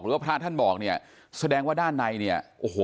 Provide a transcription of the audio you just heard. หรือว่าพระท่านบอกเนี่ยแสดงว่าด้านในเนี่ยโอ้โห